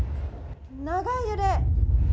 長い揺れ。